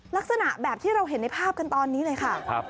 ลักษณะแบบที่เราเห็นในภาพกันตอนนี้เลยค่ะ